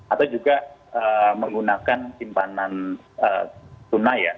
atau juga menggunakan simpanan tunai ya